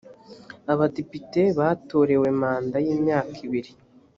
aba depite batorewe manda y’imyaka ibiri